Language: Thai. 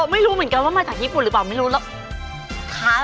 ไม่รู้เหมือนกันว่ามาจากญี่ปุ่นหรือเปล่าไม่รู้แล้ว